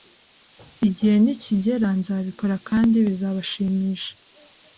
Igihe nikigera nzabikora kandi bizabashimisha